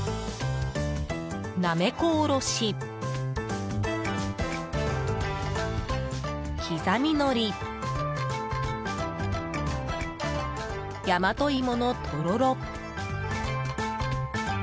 なめこおろし、刻みのりヤマトイモのとろろ。